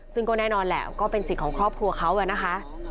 ซึ่งก็แน่นอนแหละก็เป็นสิทธิ์ของครอบครัวเขาอะนะคะ